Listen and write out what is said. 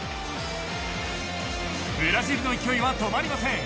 ブラジルの勢いは止まりません。